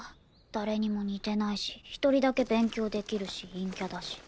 誰にも似てないし一人だけ勉強できるし陰キャだし。